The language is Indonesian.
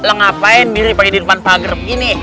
lah ngapain diri pakai di depan pager begini